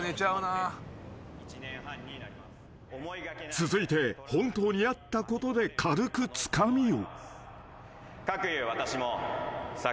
［続いて本当にあったことで軽くつかみを］